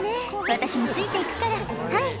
私もついて行くからはい」